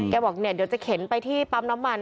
แกบอกเดี๋ยวจะเข็นไปที่ปั๊มน้ำมัน